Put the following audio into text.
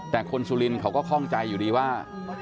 แต่คนสุรินทร์เขาก็คล่องใจอยู่ดีว่า